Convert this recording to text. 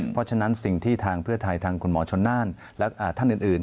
เพราะฉะนั้นสิ่งที่ทางเพื่อไทยทางคุณหมอชนน่านและท่านอื่น